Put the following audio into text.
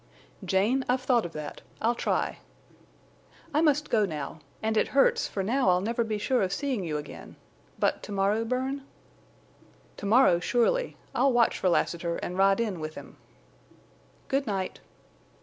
"Jane, I've thought of that. I'll try." "I must go now. And it hurts, for now I'll never be sure of seeing you again. But to morrow, Bern?" "To morrow surely. I'll watch for Lassiter and ride in with him." "Good night."